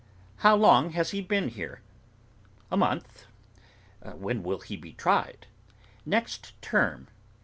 'How long has he been here?' 'A month.' 'When will he be tried?' 'Next term.